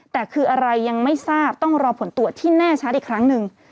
แต่คืออะไรยังไม่ทราบต้องรอผลตรวจที่แน่ชัดอีกครั้งหนึ่ง